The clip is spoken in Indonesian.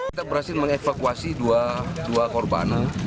kita berhasil mengevakuasi dua korban